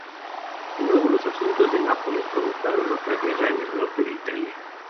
De nuevo los asuntos de Nápoles provocaron otra guerra en el norte de Italia.